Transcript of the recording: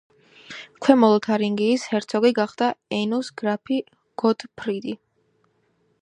ქვემო ლოთარინგიის ჰერცოგი გახდა ენოს გრაფი გოტფრიდი.